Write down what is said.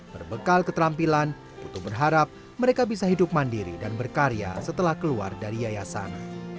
berbekal keterampilan putu berharap mereka bisa hidup mandiri dan berkarya setelah keluar dari yayasan